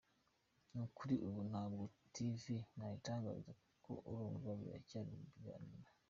Nukuri ubu ntabwo Tv nayitangaza kuko urumva biracyari mu biganiro.